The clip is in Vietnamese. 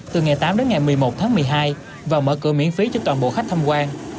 từ ngày tám đến ngày một mươi một tháng một mươi hai và mở cửa miễn phí cho toàn bộ khách tham quan